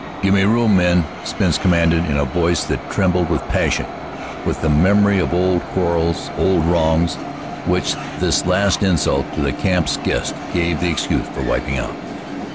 "Give me room, men!" Spence commanded, in voice that trembled with passion, with the memory of old quarrels, old wrongs, which this last insult to the camp's guest gave the excuse for wiping out.